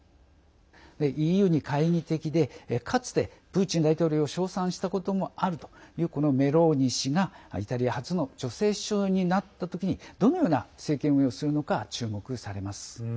ＥＵに懐疑的でかつてプーチン大統領を称賛したこともあるというこのメローニ氏がイタリア初の女性首相になった時にどのような政権運営をするか注目されます。